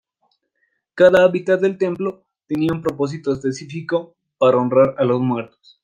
Cada habitación del templo tenía un propósito específico para honrar a los muertos.